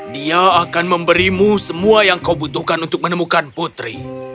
dia akan memberimu semua yang kau butuhkan untuk menemukan putri